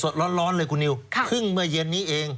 ร้อนเลยคุณนิวเพิ่งเมื่อเย็นนี้เอง